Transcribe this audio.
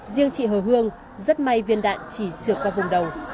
riêng chị hờ hương rất may viên đạn chỉ trượt qua vùng đầu